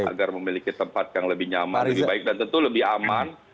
agar memiliki tempat yang lebih nyaman lebih baik dan tentu lebih aman